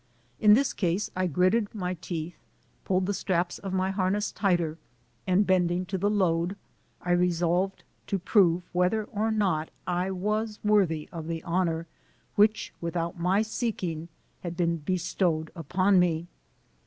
In this case I gritted my teeth, pulled the straps of my harness tighter, and bending to the load, I resolved to prove whether or not I was worthy of the honor which without my seeking had been bestowed upon me.